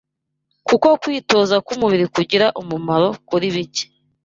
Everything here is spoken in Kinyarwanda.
Kuko kwitoza k’umubiri kugira umumaro kuri bike